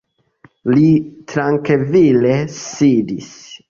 Li trankvile sidis.